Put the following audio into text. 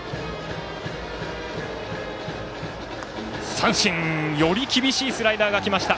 三振！より厳しいスライダーがきました。